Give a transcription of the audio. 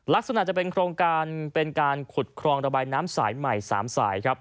ลักษณะจะเป็นโครงการเป็นการขุดครองระบายน้ำสายใหม่๓สายครับ